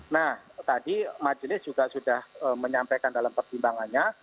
nah tadi majelis juga sudah menyampaikan dalam pertimbangannya